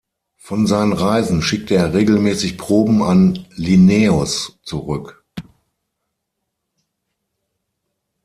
Von seinen Reisen schickte er regelmäßig Proben an Linnaeus zurück.